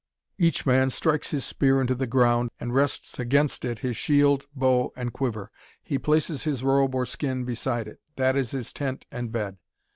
Each man strikes his spear into the ground, and rests against it his shield, bow, and quiver. He places his robe or skin beside it. That is his tent and bed.